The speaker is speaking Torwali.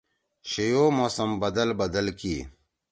شِیو موسم بدل بدل کی